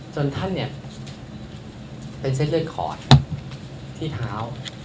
จนท่านเนี่ยเป็นเซ็ตเลคอร์ดที่เท้า